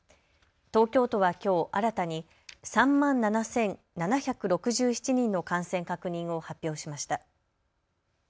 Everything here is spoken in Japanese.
東京都はきょう新たに３万７７６７人の感染確認を発表しました。